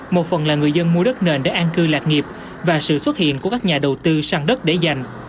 một phần là người dân mua đất nền để an cư lạc nghiệp và sự xuất hiện của các nhà đầu tư sang đất để dành